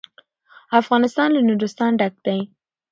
افغانستان له نورستان ډک دی.